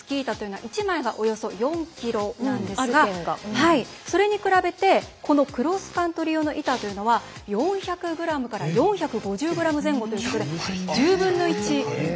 板は１枚およそ４ｋｇなんですがそれに比べてクロスカントリー用の板というのは４００ｇから４５０ｇ前後ということで、１０分の１程度。